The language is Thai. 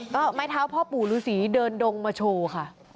ก็ไม้เท้าพ่อปู่ฤษีเดินดงมาโชว์ค่ะ